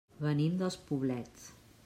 Venim dels Poblets.